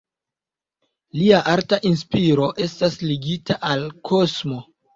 Lia arta inspiro estas ligita al la kosmo.